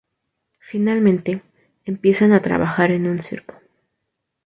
Finalmente, empiezan a trabajar en un circo.